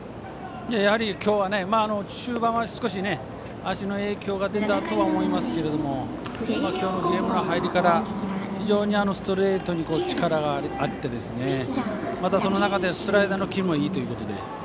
やはり中盤には少し足の影響が出たと思いますが今日のゲームの入りから非常にストレートに力があってまた、その中でスライダーのキレいいということで。